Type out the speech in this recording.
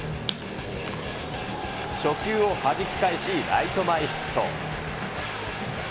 初球をはじき返し、ライト前ヒット。